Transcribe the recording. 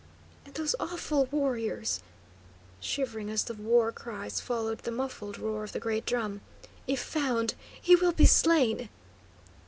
"And those awful warriors!" shivering as the war cries followed the muffled roar of the great drum. "If found, he will be slain!